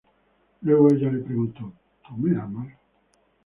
Luego ella le preguntó "¿Tú me amas?